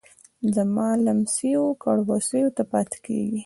زما لمسیو کړوسیو ته پاتیږي